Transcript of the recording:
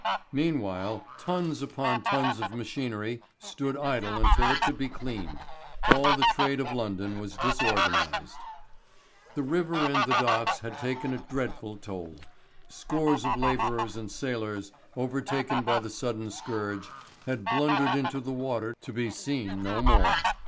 Meanwhile tons upon tons of machinery stood idle until it could be cleaned; all the trade of London was disorganised. The river and the docks had taken a dreadful toll. Scores of labourers and sailors, overtaken by the sudden scourge, had blundered into the water to be seen no more.